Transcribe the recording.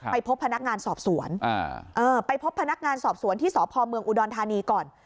ไปพบพนักงานสอบสวนไปพบพนักงานสอบสวนที่สพเมืองอุดรธานีก่อน